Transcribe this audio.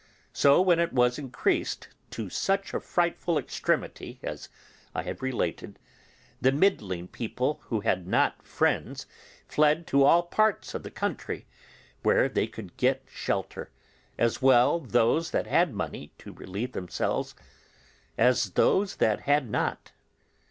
So, when it was increased to such a frightful extremity as I have related, the middling people who had not friends fled to all parts of the country where they could get shelter, as well those that had money to relieve themselves as those that had not.